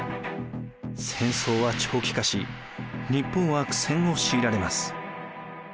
戦争は長期化し日本は苦戦を強いられます。